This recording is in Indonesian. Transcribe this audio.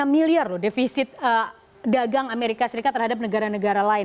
lima puluh enam enam miliar loh defisit dagang amerika serikat terhadap negara negara lain